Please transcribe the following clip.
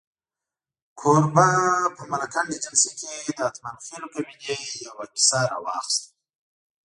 کوربه په ملکنډ ایجنسۍ کې د اتمانخېلو قبیلې یوه کیسه راواخسته.